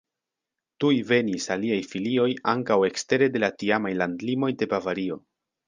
Tuj venis aliaj filioj ankaŭ ekstere de la tiamaj landlimoj de Bavario.